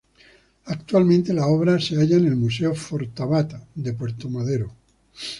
Actualmente, la obra se halla en el Museo Fortabat de Puerto Madero.